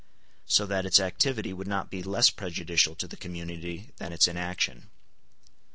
So that its activity would not be less prejudicial to the community than its inaction.